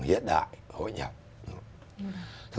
nghĩa đại hội nhập đúng không